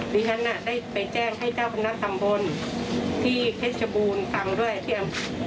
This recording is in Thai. รีฮันได้ไปแจ้งให้เจ้าคณะสำบนที่เทชบูรณ์ฟังด้วย